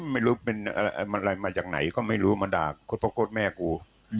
ไม่รู้เป็นอะไรมาจากไหนก็ไม่รู้มาด่าโค้ดพระคดแม่กู